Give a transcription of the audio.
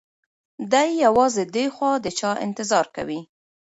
دی یوازې دی خو د چا انتظار کوي.